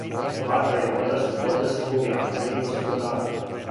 Ватра и вода су добре слуге, али зли господари.